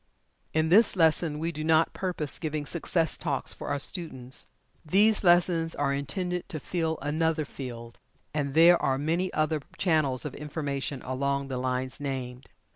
In this lesson we do not purpose giving "Success Talks" for our students. These lessons are intended to fill another field, and there are many other channels of information along the lines named.